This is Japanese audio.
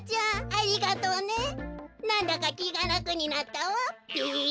ありがとうねなんだかきがらくになったわべ。